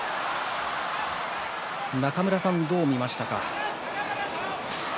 中村さんどう見ましたか。